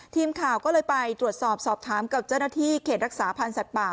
ทีมข่าวก็เลยไปตรวจสอบสอบถามกับเจ้าหน้าที่เขตรักษาพันธ์สัตว์ป่า